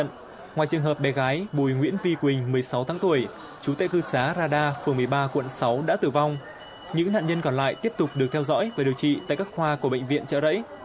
những nạn nhân còn lại tiếp tục được theo dõi và điều trị tại các khoa của bệnh viện chợ rẫy